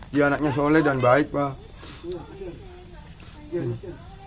dia anaknya soleh dan baik pak